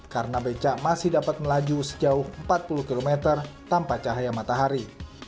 karena becak masih dapat melaju sejauh empat puluh km tanpa cahaya matahari